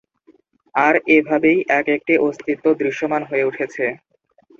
আর এ ভাবেই এক-একটি অস্তিত্ব দৃশ্যমান হয়ে উঠেছে।